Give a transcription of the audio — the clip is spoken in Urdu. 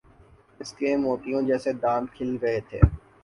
اس کے موتیوں جیسے دانت کھل گئے تھے۔